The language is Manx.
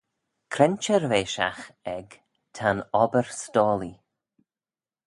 Cre'n çhirveishagh ec ta'n obbyr s'doillee?